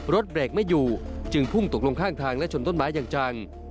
เบรกไม่อยู่จึงพุ่งตกลงข้างทางและชนต้นไม้อย่างจัง